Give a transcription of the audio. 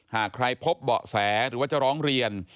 หากใครพบเบาะแสหรือว่าจะร้องเรียน